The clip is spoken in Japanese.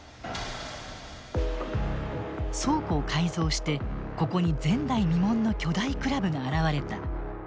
倉庫を改造してここに前代未聞の巨大クラブが現れた。